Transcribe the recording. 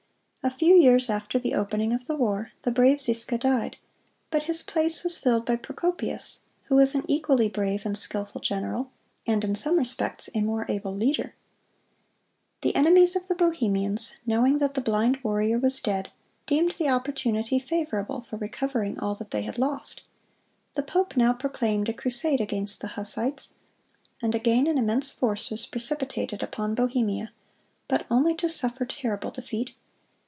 A few years after the opening of the war, the brave Ziska died; but his place was filled by Procopius, who was an equally brave and skilful general, and in some respects a more able leader. The enemies of the Bohemians, knowing that the blind warrior was dead, deemed the opportunity favorable for recovering all that they had lost. The pope now proclaimed a crusade against the Hussites, and again an immense force was precipitated upon Bohemia, but only to suffer terrible defeat.